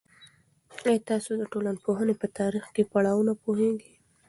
ایا تاسو د ټولنپوهنې په تاریخي پړاوونو پوهیږئ؟